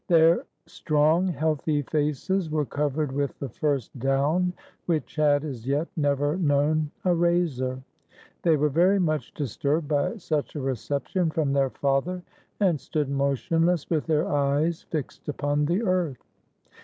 Their strong, healthy faces were covered with the first down, which had, as yet, never known a razor. They were very much disturbed by such a reception from their father, and stood motionless with their eyes fixed upon the earth.